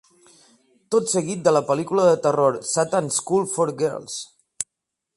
Tot seguit de la pel·lícula de terror "Satan's School for Girls".